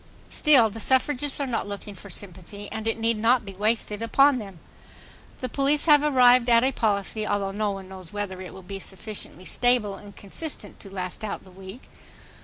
Still, the suffragists are not looking for sympathy, and it need not be wasted upon them. The police have arrived at a policy, although no one knows whether it will be sufficiently stable and consistent to last out the week